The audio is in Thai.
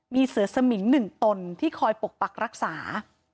มีเสือสมิง๑ตนที่คอยปกปักรักษา